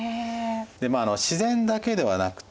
でまあ自然だけではなくてですね